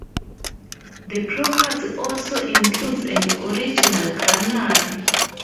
The property also includes an original granary.